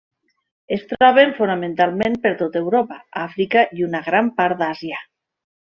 Es troben fonamentalment per tot Europa, Àfrica i una gran part d'Àsia.